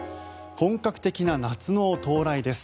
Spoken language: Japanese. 本格的な夏の到来です。